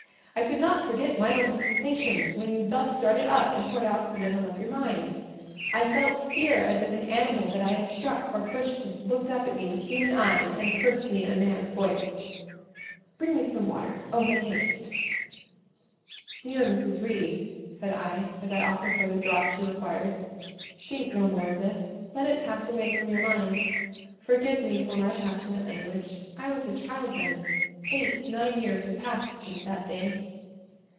I could not forget my own sensations when you thus started up and poured out the venom of your mind: I felt fear as if an animal that I had struck or pushed had looked up at me with human eyes and cursed me in a man's voice.—Bring me some water! Oh, make haste!" "Dear Mrs. Reed," said I, as I offered her the draught she required, "think no more of all this, let it pass away from your mind. Forgive me for my passionate language: I was a child then; eight, nine years have passed since that day."